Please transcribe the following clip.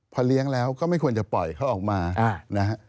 พอเลี้ยงแล้วก็ไม่ควรจะปล่อยเขาออกมานะฮะ